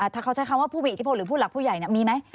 ถ้าเขาใช้คำว่าผู้มีอิทธิพลหรือผู้หลักผู้ใหญ่มีไหม